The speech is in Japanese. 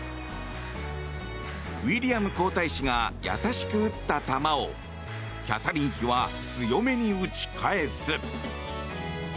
ウィリアム皇太子が優しく打った球をキャサリン妃は強めに打ち返す。